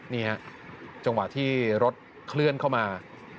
นี่ฮะจังหวะที่รถเคลื่อนเข้ามา